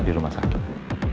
di rumah sakit